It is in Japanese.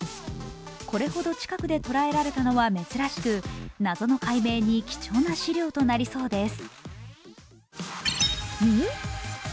これほど近くで捉えられたのは珍しく、謎の解明に貴重な資料となりそうです。